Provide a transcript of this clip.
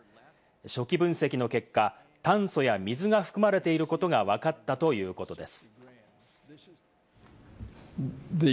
初期分析の結果、炭素や水が含まれていることがわかったということです。